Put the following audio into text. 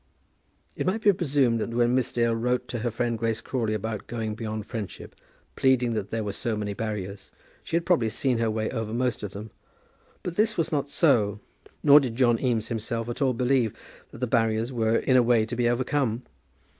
It might be presumed that when Miss Dale wrote to her friend Grace Crawley about going beyond friendship, pleading that there were so many "barriers," she had probably seen her way over most of them. But this was not so; nor did John Eames himself at all believe that the barriers were in a way to be overcome.